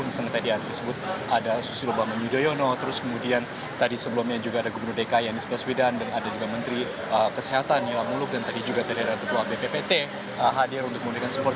misalnya tadi ada susilobama yudhoyono terus kemudian tadi sebelumnya juga ada gubernur dki yanis baswidan dan ada juga menteri kesehatan yelamuluk dan tadi juga terdapat bppt hadir untuk memberikan support